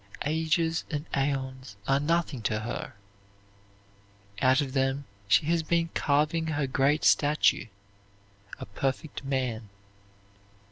Ages and aeons are nothing to her; out of them she has been carving her great statue, a perfect man.